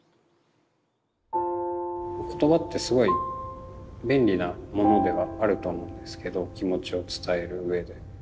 言葉ってすごい便利なものではあるとは思うんですけど気持ちを伝えるうえで。